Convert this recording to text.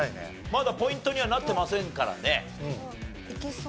まだポイントにはなってませんからね。